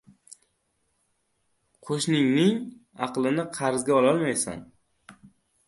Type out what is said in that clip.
• Qo‘shningning aqlini qarzga ololmaysan.